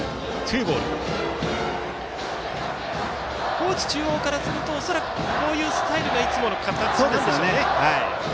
高知中央からすると恐らくこういうスタイルがいつもの形なんでしょうね。